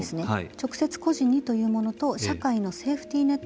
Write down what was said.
直接、個人にというものと社会セーフティーネット